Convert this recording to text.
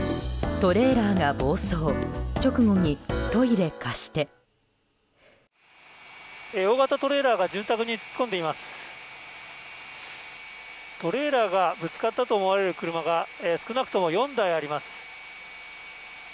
トレーラーがぶつかったと思われる車が少なくとも４台あります。